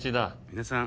皆さん。